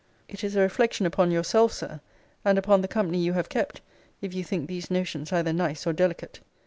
It is a reflection upon yourself, Sir, and upon the company you have kept, if you think these notions either nice or delicate.